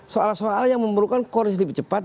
soal soal yang memerlukan koalisi lebih cepat